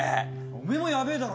おめえもヤベえだろ！